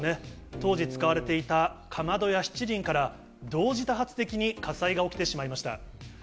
当時使われていたかまどやしちりんから、同時多発的に火災が起きてしまいました。